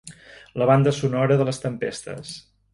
La banda sonora de les tempestes.